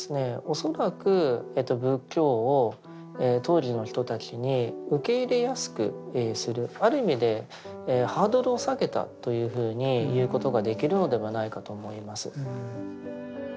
恐らく仏教を当時の人たちに受け入れやすくするある意味でハードルを下げたというふうに言うことができるのではないかと思います。